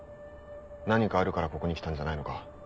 何かあるからここに来たんじゃないのか？